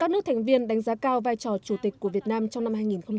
các nước thành viên đánh giá cao vai trò chủ tịch của việt nam trong năm hai nghìn hai mươi